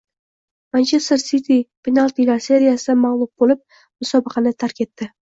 “Manchester Siti” penaltilar seriyasida mag‘lub bo‘lib, musobaqani tark etdi